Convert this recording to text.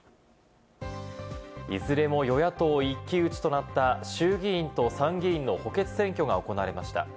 いずれも与野党一騎打ちとなった衆議院と参議院の補欠選挙が行われました。